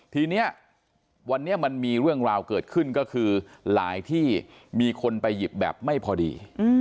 ทีนี้วันนี้มันมีเรื่องราวเกิดขึ้นก็คือหลายที่มีคนไปหยิบแบบไม่พอดี